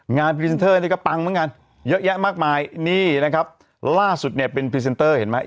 พรีเซนเตอร์นี่ก็ปังเหมือนกันเยอะแยะมากมายนี่นะครับล่าสุดเนี่ยเป็นพรีเซนเตอร์เห็นไหม